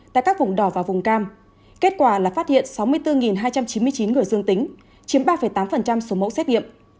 tại các vùng đỏ và vùng cam kết quả là phát hiện sáu mươi bốn hai trăm chín mươi chín người dương tính chiếm ba tám số mẫu xét nghiệm